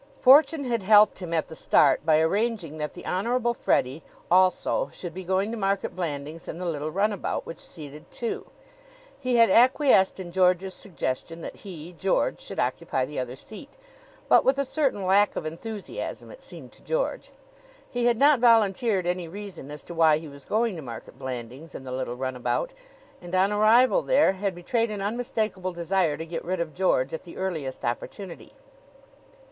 Fortune had helped him at the start by arranging that the Honorable Freddie, also, should be going to Market Blandings in the little runabout, which seated two. He had acquiesced in George's suggestion that he, George, should occupy the other seat, but with a certain lack of enthusiasm it seemed to George. He had not volunteered any reason as to why he was going to Market Blandings in the little runabout, and on arrival there had betrayed an unmistakable desire to get rid of George at the earliest opportunity.